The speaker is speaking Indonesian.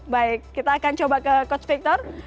baik kita akan coba ke coach victor